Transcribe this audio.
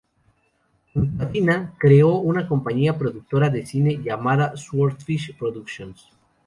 Junto a Dina creó una compañía productora de cine llamada "Swordfish Productions".